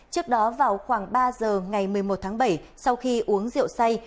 trước đó vào khoảng ba giờ ngày một mươi một tháng bảy sau khi uống rượu say